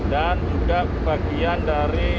dan juga bagian dari